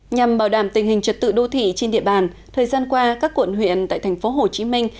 nhằm bảo đảm tình hình trật tự đô thị trên địa bàn thời gian qua các quận huyện tại thành phố hồ chí minh